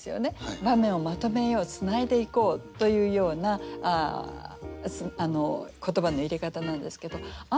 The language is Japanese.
場面をまとめようつないでいこうというような言葉の入れ方なんですけどあ